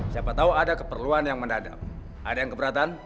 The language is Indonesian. siapa tau ada keperluan yang menadam ada yang keberatan